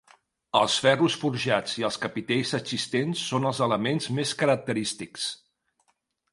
Els ferros forjats i els capitells existents són els elements més característics.